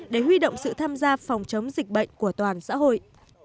để huy động sự tham gia phòng chống dịch bệnh của toàn xã hội